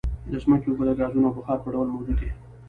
د ځمکې اوبه د ګازونو او بخار په ډول موجود دي